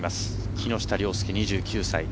木下稜介、２９歳。